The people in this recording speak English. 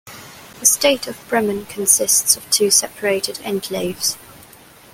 The state of Bremen consists of two separated enclaves.